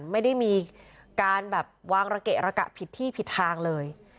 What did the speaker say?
ไม่ได้มีการแบบวางระเกะระกะผิดที่ผิดทางเลย